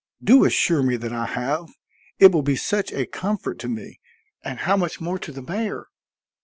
Do assure me that I have. It will be such a comfort to me and how much more to the mayor!"